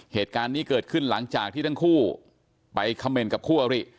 เหตุการณ์นี้เกิดขึ้นหลังจากที่ทั้งคู่ไปคำเมนต์กับคู่อริ